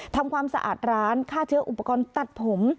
ทำความสะอาดร้านฆ่าเชื้ออุปกรณ์ตัดผม